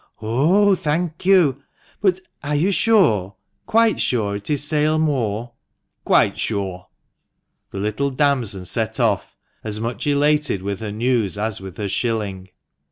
" Oh, thank you ! But are you sure — quite sure it is Sale Moor?" "Quite sure." THE MANCHESTER MAN. 49 The little damsel set off, as much elated with her news as with her shilling.